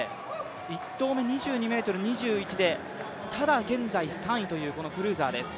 １投目２２ｍ２１で、ただ現在３位というクルーザーです。